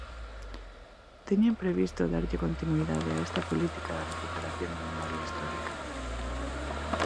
Teñen previsto darlle continuidade a esta política de recuperación da memoria histórica?